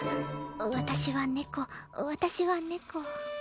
私は猫私は猫